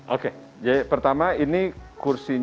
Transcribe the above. oke jadi pertama ini kursinya